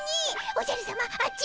おじゃるさまあっち！